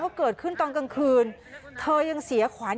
เห็นวันพอเกิดขึ้นตอนกลางคืนเธอยังเสียขวาน